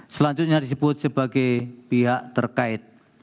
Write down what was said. selanjutnya disebut sebagai pihak terkait